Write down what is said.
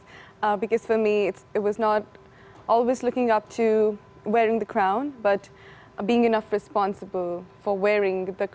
karena bagi saya itu bukan selalu mencari pakaian tapi berdikari untuk memakai pakaian seluruh universitas